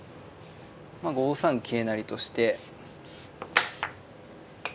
まあ５三桂成として。